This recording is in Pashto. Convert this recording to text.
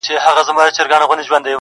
• ما مي یوسف ته د خوبونو کیسه وژړله -